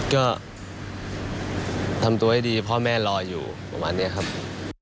ก็ทำตัวให้ดีพ่อแม่รออยู่ประมาณนี้ครับ